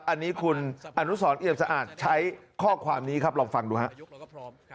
อันนี้คุณอนุสรเอี่ยมสะอาดใช้ข้อความนี้ครับลองฟังดูครับ